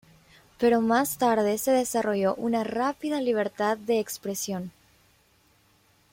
Pero más tarde se desarrolló una rápida libertad de expresión.